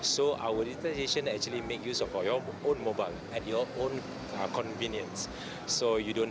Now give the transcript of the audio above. jadi digitalisasi kita sebenarnya menggunakan mobil sendiri dengan kemudahan